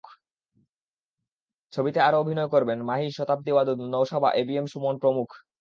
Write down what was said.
ছবিতে আরও অভিনয় করবেন মাহী, শতাব্দী ওয়াদুদ, নওশাবা, এবিএম সুমন প্রমুখ।